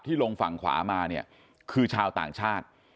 ที่ลงฝั่งขวามาคือชาวต่างชาติ